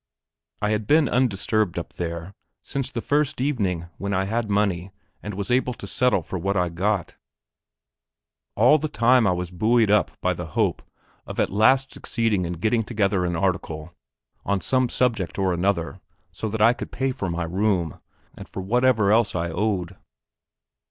I had been undisturbed up there since the first evening when I had money and was able to settle for what I got. All the time I was buoyed up by the hope of at last succeeding in getting together an article on some subject or another, so that I could pay for my room, and for whatever else I owed.